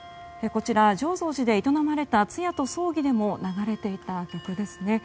こちら、増上寺で営まれた通夜と葬儀でも流れていた曲です。